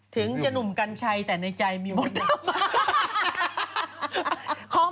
ถึงจะหนุ่มกัญชัยแต่ในใจมีหมด